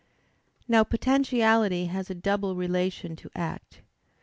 Now, potentiality has a double relation to act.